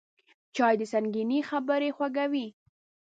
چای د سنګینې خبرې خوږوي